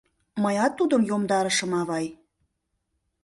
— Мыят тудым йомдарышым, авай...